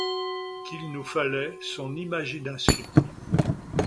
Qu'il nous fallait son imagination.